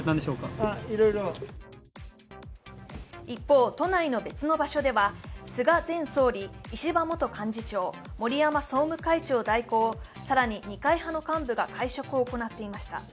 一方、都内の別の場所では菅前総理、石破元幹事長、森山総務会長代行更に二階派の幹部が会食を行っていました。